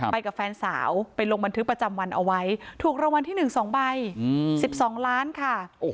ไปกับแฟนสาวไปลงบันทึกประจำวันเอาไว้ถูกรางวัลที่๑๒ใบ๑๒ล้านค่ะ